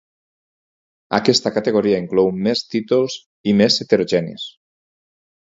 Aquesta categoria inclou més títols i més heterogenis.